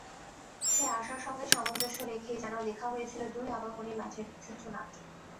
সেই আশার সঙ্গে সামঞ্জস্য রেখেই যেন লেখা হয়েছিল দুই আবাহনীর ম্যাচের চিত্রনাট্য।